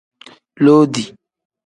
Loodi.